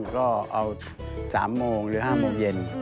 ก็เอา๓โมงหรือ๕โมงเย็น